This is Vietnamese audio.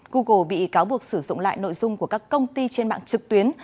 google bị cáo buộc sử dụng lại nội dung của các công ty trên mạng trực tuyến